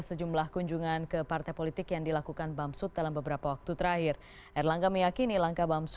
saya memutuskan untuk calling down ketika melihat tensi politik yang makin memanas